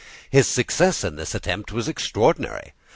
His success in this attempt was extraordinary.